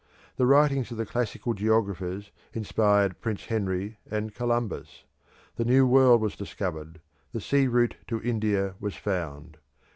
The writings of the classical geographers inspired Prince Henry and Columbus. The New World was discovered; the sea route to India was found.